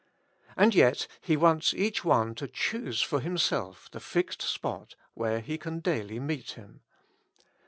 And yet he wants each one to choose for himself the fixed spot where He can daily meet Him.